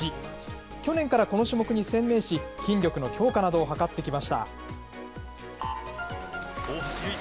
去年からこの種目に専念し、筋力の強化などをはかってきました。